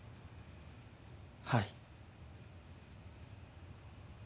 はい。